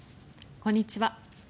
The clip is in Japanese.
こんにちは。